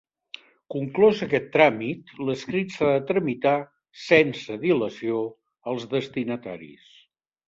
Conclòs aquest tràmit, l'escrit s'ha de tramitar sense dilació als destinataris.